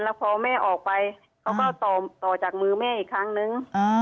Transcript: แล้วพอแม่ออกไปเขาก็ต่อจากมือแม่อีกครั้งนึง